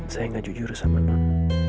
saya nggak jujur sama non